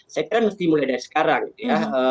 saya kira mesti mulai dari sekarang gitu ya